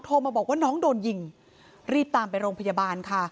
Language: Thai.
โทรมาบอกว่าน้องโดนยิงรีบตามไปโรงพยาบาลค่ะ